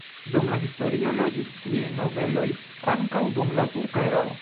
Dum la historio loĝis tie nobeloj, ankaŭ dum la turka erao.